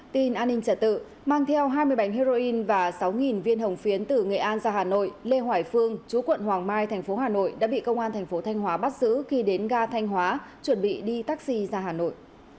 tin an ninh trả tự mang theo hai mươi bánh heroin và sáu viên hồng phiến từ nghệ an ra hà nội lê hoài phương chú quận hoàng mai thành phố hà nội đã bị công an thành phố thanh hóa bắt giữ khi đến ga thanh hóa chuẩn bị đi taxi ra hà nội